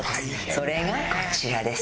それがこちらです。